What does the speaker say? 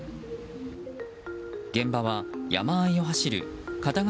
現場は山あいを走る片側